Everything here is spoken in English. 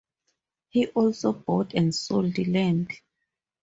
He also bought and sold land.